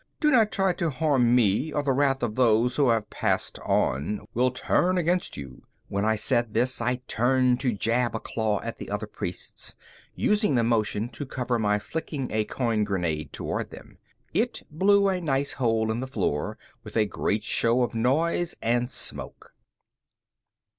Do not try to harm me or the wrath of those who have Passed On will turn against you." When I said this, I turned to jab a claw at the other priests, using the motion to cover my flicking a coin grenade toward them. It blew a nice hole in the floor with a great show of noise and smoke.